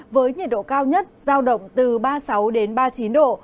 với nhiệt độ cao nhất giao động từ ba mươi sáu ba mươi chín độ